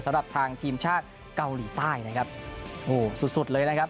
สำหรับทางทีมชาติเกาหลีใต้นะครับโอ้โหสุดสุดเลยนะครับ